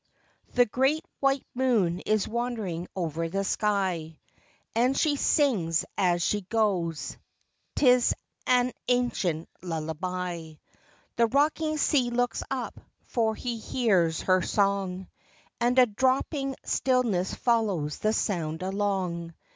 The great white moon is wandering over the sky, And she sings as she goes ; 't is an ancient lullaby : The rocking sea looks up, for he hears her song, And a dropping stillness follows the sound along.